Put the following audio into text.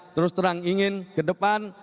terus terang ingin ke depan